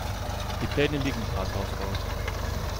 Die Pläne liegen im Rathaus aus.